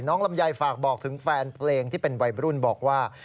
ลำไยฝากบอกถึงแฟนเพลงที่เป็นวัยรุ่นบอกว่า